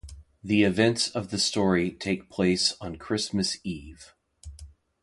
The events of the story take place on Christmas Eve.